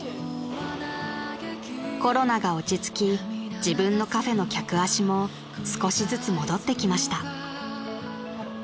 ［コロナが落ち着き自分のカフェの客足も少しずつ戻ってきました］